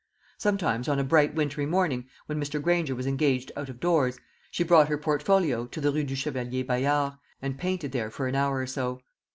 Sometimes, on a bright wintry morning, when Mr. Granger was engaged out of doors, she brought her portfolio to the Rue du Chevalier Bayard, and painted there for an hour or so.